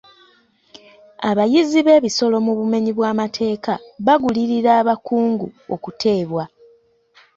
Abayizzi b'ebisolo mu bumenyi bw'amateeka bagulirira abakungu okuteebwa.